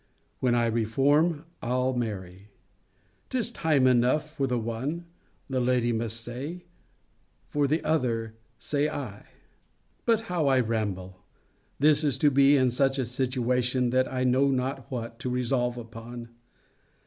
When I reform, I'll marry. 'Tis time enough for the one, the lady must say for the other, say I! But how I ramble! This is to be in such a situation, that I know not what to resolve upon.